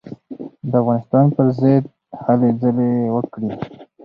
د افغانستان پر ضد هلې ځلې وکړې.